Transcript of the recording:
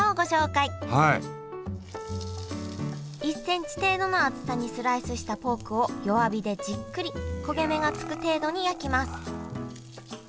１センチ程度の厚さにスライスしたポークを弱火でじっくり焦げ目がつく程度に焼きます